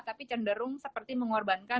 tapi cenderung seperti mengorbankan